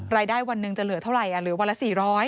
รายได้วันหนึ่งจะเหลือเท่าไหร่เหลือวันละ๔๐๐